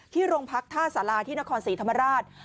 โรงพักท่าสาราที่นครศรีธรรมราช